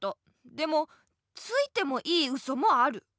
でもついてもいいウソもある。